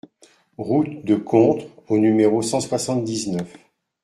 Route de Contres au numéro cent soixante-dix-neuf